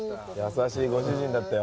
優しいご主人だったよ